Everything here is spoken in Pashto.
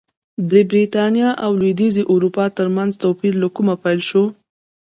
د برېټانیا او لوېدیځې اروپا ترمنځ توپیر له کومه پیل شو